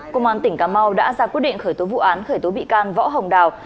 công an tỉnh cà mau đã ra quyết định khởi tố vụ án khởi tố bị can võ hồng đào